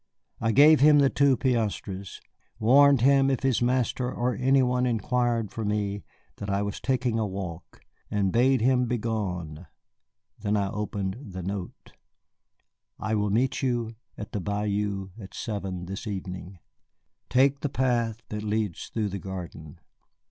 I gave him the two piastres, warned him if his master or any one inquired for me that I was taking a walk, and bade him begone. Then I opened the note. "I will meet you at the bayou at seven this evening. Take the path that leads through the garden."